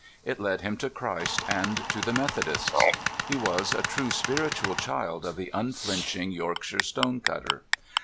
It led him to Christ and to the Methodists. He was a true spiritual child of the unflinching Yorkshire stone cutter.